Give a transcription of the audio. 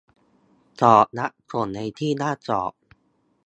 - จอดรับส่งในที่ห้ามจอด